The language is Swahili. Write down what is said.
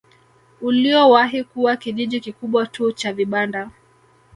Uliowahi kuwa kijiji kikubwa tu cha vibanda